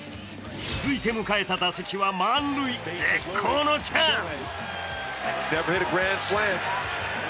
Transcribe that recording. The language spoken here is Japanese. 続いて迎えた打席は満塁、絶好のチャンス。